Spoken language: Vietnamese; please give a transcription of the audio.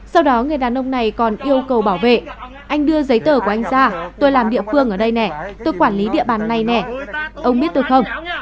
sau đó người đàn ông này còn yêu cầu bảo vệ anh đưa giấy tờ của anh ra tôi làm địa phương ở đây nẻ tôi quản lý địa bàn này nẻ ông biết tôi không